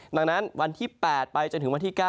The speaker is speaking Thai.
ดังนั้นวันที่๘ไปจนถึงวันที่๙